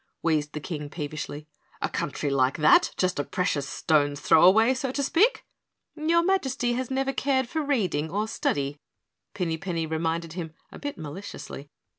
wheezed the King peevishly. "A country like that just a precious stone's throw away, so to speak." "Your Majesty has never cared for reading or study," Pinny Penny reminded him a bit maliciously.